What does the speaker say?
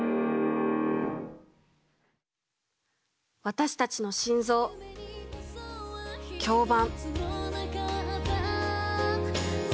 私たちの心臓響板。